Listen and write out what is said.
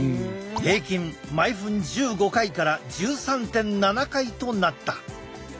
平均毎分１５回から１３．７回となった。